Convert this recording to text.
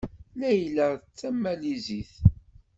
Layla d Tamalizit.